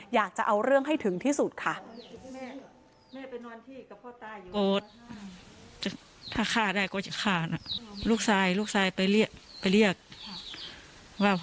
อยากจะเอาเรื่องให้ถึงที่สุดค่ะ